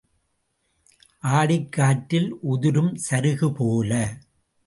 ஆடிக் காற்றில் உதிரும் சருகு போல.